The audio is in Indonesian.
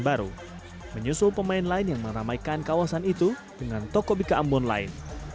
baru menyusul pemain lain yang meramaikan kawasan itu dengan toko bika ambon lain